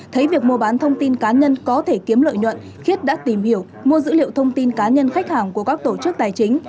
thấy việc mua bán thông tin cá nhân có thể kiếm lợi nhuận khiết đã tìm hiểu mua dữ liệu thông tin cá nhân khách hàng của các tổ chức tài chính